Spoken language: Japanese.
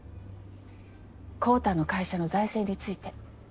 昂太の会社の財政について。